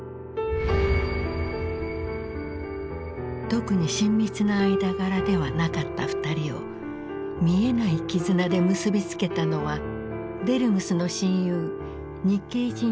特に親密な間柄ではなかった２人を見えない絆で結び付けたのはデルムスの親友日系人